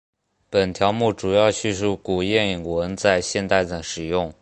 本条目主要叙述古谚文在现代的使用。